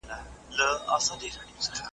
فکري یرغلونه، او کلتوري تیري